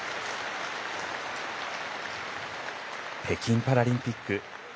北京パラリンピック